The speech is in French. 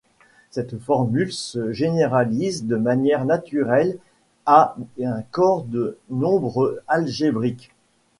Cette formule se généralise de manière naturelle à un corps de nombres algébriques.